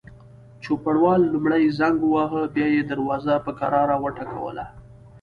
چوپړوال لومړی زنګ وواهه، بیا یې دروازه په کراره وټکوله.